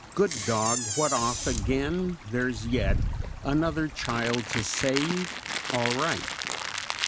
Good dog! What off again? There's yet Another child to save? All right!